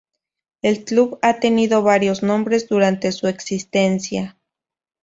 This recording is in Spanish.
El club ha tenido varios nombres durante su existencia.